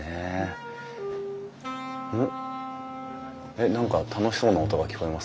えっ何か楽しそうな音が聞こえますね。